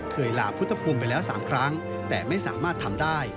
ลาพุทธภูมิไปแล้ว๓ครั้งแต่ไม่สามารถทำได้